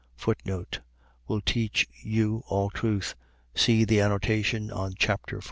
Will teach you all truth. . .See the annotation on chap. 14.